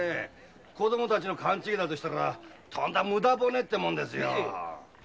子供たちの勘違いならとんだ無駄骨ってもんですよ。